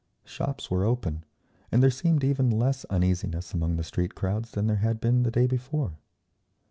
Shops were open, and there seemed even less uneasiness among the street crowds than there had been the day before.